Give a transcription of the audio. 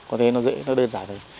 có thế nó dễ nó đơn giản hơn